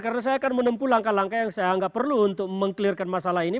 karena saya akan menempuh langkah langkah yang saya tidak perlu untuk meng clearkan masalah ini